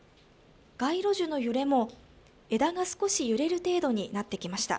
街路樹の揺れも、枝が少し揺れる程度になってきました。